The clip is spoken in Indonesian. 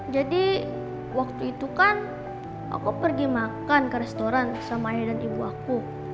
jadi waktu itu kan aku pergi makan ke restoran sama ayah dan ibu aku